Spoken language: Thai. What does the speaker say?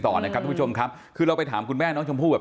ต่อนะครับทุกผู้ชมครับคือเราไปถามคุณแม่น้องชมพู่แบบ